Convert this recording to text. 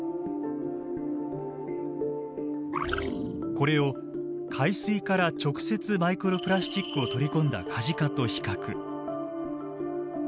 これを海水から直接マイクロプラスチックを取り込んだカジカと比較。